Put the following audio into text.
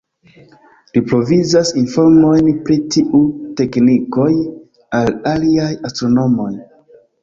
Li provizas informojn pri tiu teknikoj al aliaj astronomoj.